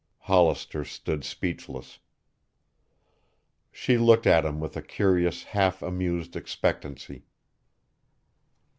Hollister stood speechless. She looked at him with a curious half amused expectancy.